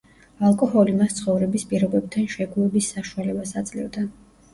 ალკოჰოლი მას ცხოვრების პირობებთან შეგუების საშუალებას აძლევდა.